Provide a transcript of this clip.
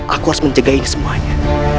aku harus menjaga ini semuanya